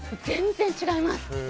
全然違います！